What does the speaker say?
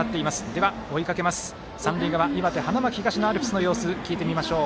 では、追いかけます三塁側岩手、花巻東のアルプスの様子聞いてみましょう。